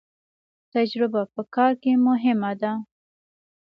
تجربه په کار کې مهمه ده